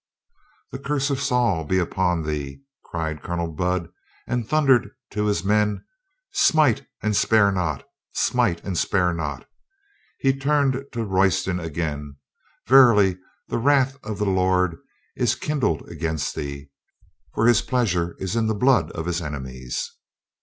"The curse of Saul be upon thee," cried Colonel Budd, and thundered to his men : "Smite, and spare not! Smite, and spare not!" He turned to Royston again. "Verily, the wrath of the Lord is kindled against thee, for His pleasure is in the blood of His enemies."